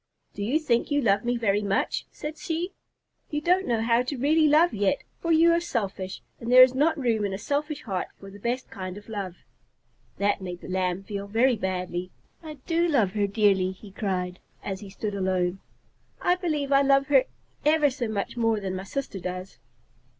"Do you think you love me very much?" said she. "You don't know how to really love yet, for you are selfish, and there is not room in a selfish heart for the best kind of love." That made the Lamb feel very badly. "I do love her dearly," he cried, as he stood alone. "I believe I love her ever so much more than my sister does."